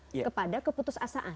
juga akan rentan kepada keputusasaan